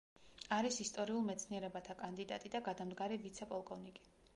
არის ისტორიულ მეცნიერებათა კანდიდატი და გადამდგარი ვიცე-პოლკოვნიკი.